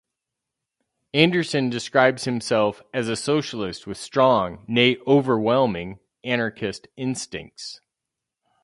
Anderson describes himself as a socialist with strong, nay overwhelming, anarchist instincts.